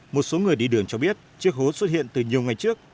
một số người đi đường cho biết chiếc hố xuất hiện từ nhiều ngày trước